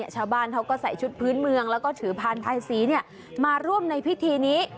ชาวบ้านเขาก็ใส่ชุดพื้นเมืองแล้วก็ถือพานภายสีมาร่วมในพิธีนี้